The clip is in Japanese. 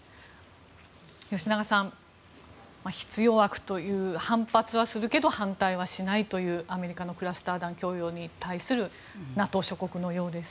吉永さん、必要悪という反発はするけど反対はしないというアメリカのクラスター弾供与に対するＮＡＴＯ諸国のようです。